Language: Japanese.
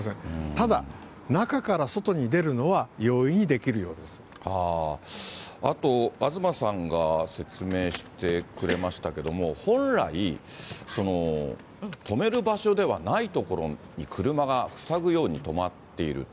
ただ、中から外に出るのは容易にあと東さんが説明してくれましたけれども、本来、止める場所ではない所に車が塞ぐように止まっている。